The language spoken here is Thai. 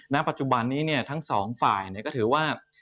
ณปัจจุบันนี้ทั้งสองฝ่ายก็ถือว่า